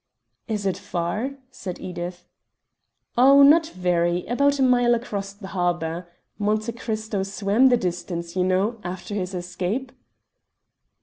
"Is it far?" said Edith. "Oh, not very; about a mile across the harbour. Monte Cristo swam the distance, you know, after his escape."